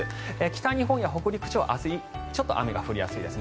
北日本や北陸地方はちょっと雨が降りやすいです。